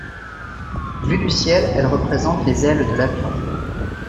Vue du ciel, elle représente les ailes de l'avion.